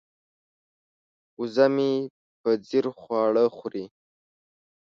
وزه مې په ځیر خواړه خوري.